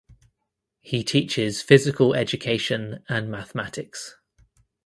He teaches physical education and mathematics.